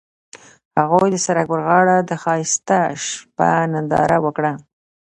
هغوی د سړک پر غاړه د ښایسته شپه ننداره وکړه.